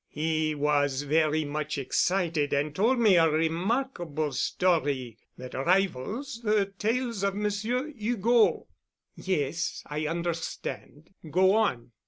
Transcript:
He was very much excited and told me a remarkable story that rivals the tales of Monsieur Hugo." "Yes, I understand. Go on."